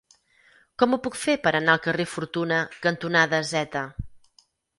Com ho puc fer per anar al carrer Fortuna cantonada Z?